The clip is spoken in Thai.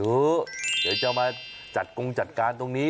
เดี๋ยวจะมาจัดกงจัดการตรงนี้